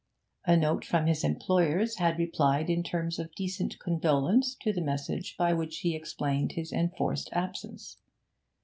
A note from his employers had replied in terms of decent condolence to the message by which he explained his enforced absence.